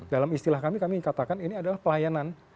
dalam istilah kami kami katakan ini adalah pelayanan